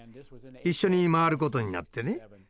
一緒に回ることになってね。